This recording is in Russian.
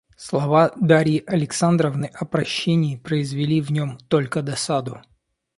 Слова Дарьи Александровны о прощении произвели в нем только досаду.